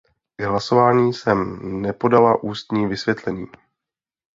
K hlasování jsem nepodala ústní vysvětlení.